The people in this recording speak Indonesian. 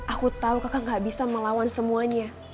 aku tahu kakak gak bisa melawan semuanya